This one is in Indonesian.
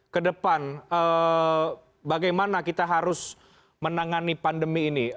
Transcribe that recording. kedepan bagaimana kita harus menangani pandemi ini